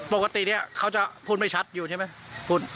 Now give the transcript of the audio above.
ปกติเนี่ยเขาจะพูดไม่ชัดอยู่ใช่ไหม